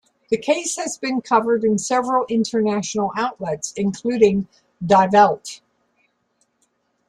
The case has been covered in several international outlets including 'Die Welt'.